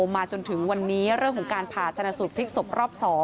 มาจนถึงวันนี้เรื่องของการผ่าชนะสูตรพลิกศพรอบ๒